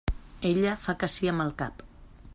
Ella fa que sí amb el cap.